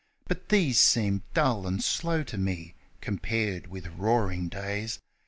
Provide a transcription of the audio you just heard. But these seem dull and slow to me compared with Roaring Days !